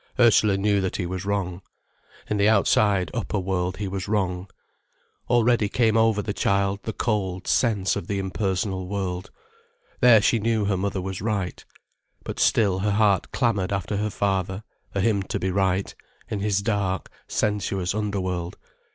Ursula knew that he was wrong. In the outside, upper world, he was wrong. Already came over the child the cold sense of the impersonal world. There she knew her mother was right. But still her heart clamoured after her father, for him to be right, in his dark, sensuous underworld.